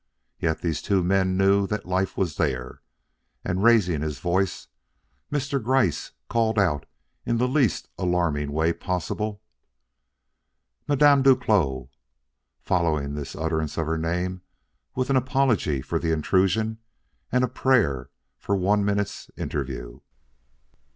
Yet these two men knew that life was there; and raising his voice, Mr. Gryce called out in the least alarming way possible: "Madame Duclos!" following this utterance of her name with an apology for the intrusion and a prayer for one minute's interview.